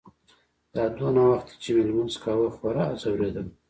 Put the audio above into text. دا دونه وخت چې مې لمونځ کاوه خورا ځورېدم.